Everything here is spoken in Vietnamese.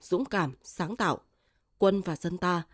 dũng cảm sáng tạo quân và dân ta